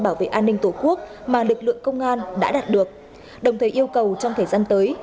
bảo vệ an ninh tổ quốc mà lực lượng công an đã đạt được đồng thời yêu cầu trong thời gian tới